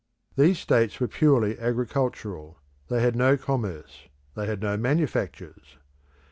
These states were purely agricultural; they had no commerce; they had no manufactures.